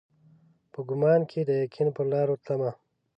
په ګمان کښي د یقین پرلارو تلمه